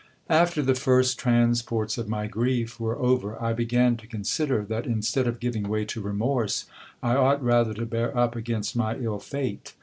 After the first transports of my grief were over, I began to consider, that in stead of giving way to remorse, I ought rather to bear up against my ill fate.